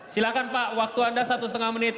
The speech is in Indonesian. silahkan pak waktu anda satu setengah menit